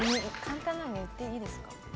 簡単なのいっていいですか。